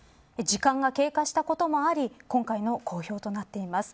時間が経過したこともあり今回の公表となっています。